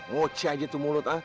ngoceh aja tuh mulut ha